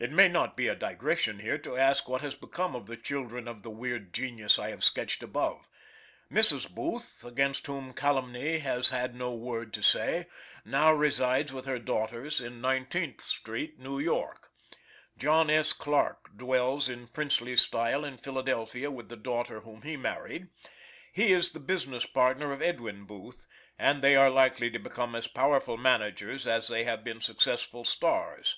It may not be a digression here to ask what has become of the children of the weird genius I have sketched above. Mrs. Booth, against whom calumny has had no word to say, now resides with her daughters in Nineteenth street, New York. John S. Clarke dwells in princely style in Philadelphia, with the daughter whom he married; he is the business partner of Edwin Booth, and they are likely to become as powerful managers as they have been successful "stars."